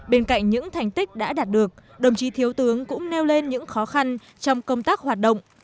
bên cạnh những thành tích đã đạt được đồng chí thiếu tướng cũng nêu lên những khó khăn trong công tác hoạt động